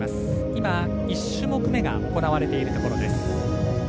今、１種目めが行われているところです。